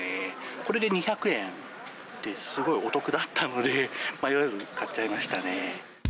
これで２００円で、すごいお得だったので、迷わず買っちゃいましたね。